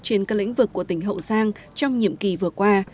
trên các lĩnh vực của tỉnh hậu giang trong nhiệm kỳ vừa qua